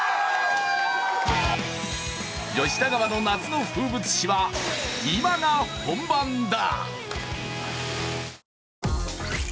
吉田川の夏の風物詩は今が本番だ！